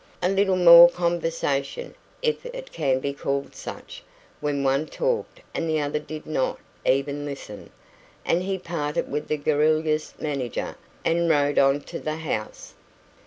A little more conversation, if it can be called such, when one talked and the other did not even listen, and he parted with the garrulous manager and rode on to the house.